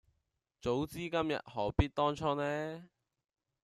早知今日何必當初呢